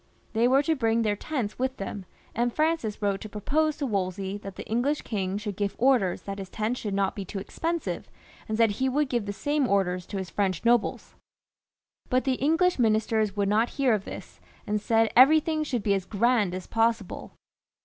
They were to bring their tents with them, and Francis wrote to propose to Wolsey that the English king should give orders that his tents should not be too expensive, and said he would give the same orders to his French nobles. But the English ministers would not hear of this, and said everything should be as grand as possible.